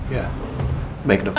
ya baik dok